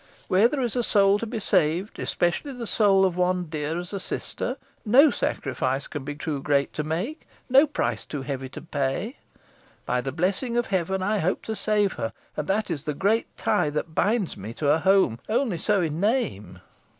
Where there is a soul to be saved, especially the soul of one dear as a sister, no sacrifice can be too great to make no price too heavy to pay. By the blessing of Heaven I hope to save her! And that is the great tie that binds me to a home, only so in name."